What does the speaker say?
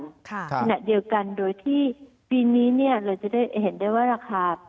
ขณะเดียวกันโดยที่ปีนี้เนี่ยเราจะได้เห็นได้ว่าราคา